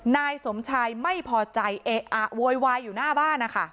นายสมชายไม่พอใจเอะอะโวยวายอยู่หน้าบ้านนะคะ